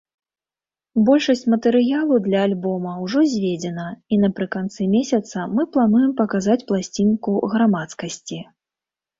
Большасць матэрыялу для альбома ўжо зведзена, і напрыканцы месяца мы плануем паказаць пласцінку грамадскасці.